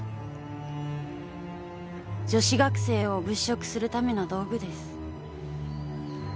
女子学生を物色するための道具です。